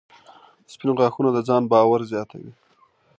• سپین غاښونه د ځان باور زیاتوي.